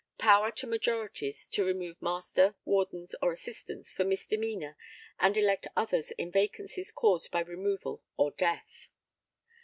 [_Power to majorities to remove Master, Wardens, or Assistants for misdemeanour and elect others in vacancies caused by removal or death.